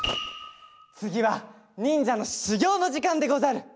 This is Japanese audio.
つぎはにんじゃのしゅぎょうのじかんでござる！